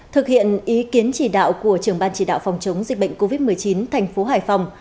thực hiện ý kiến chỉ đạo của trưởng ban chỉ đạo phòng chống dịch bệnh covid một mươi chín thành phố hải phòng